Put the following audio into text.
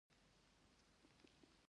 د خوست په اسماعیل خیل کې کرومایټ شته.